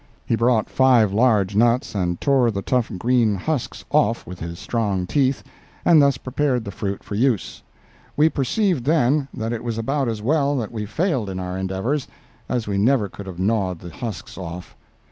He brought five large nuts and tore the tough green husks off with his strong teeth, and thus prepared the fruit for use. We perceived then that it was about as well that we failed in our endeavors, as we never could have gnawed the husks off.